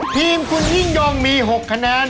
ทีมคุณยิ่งยงมี๖คะแนน